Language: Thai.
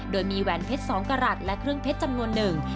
โดยมีแหวนเพชร๒กระหลัดและเครื่องเพชรจำนวนหนึ่ง